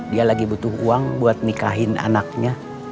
dia lagi butuh uang buat nikahin anaknya